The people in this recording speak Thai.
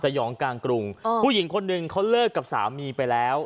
ยองกลางกรุงผู้หญิงคนหนึ่งเขาเลิกกับสามีไปแล้ว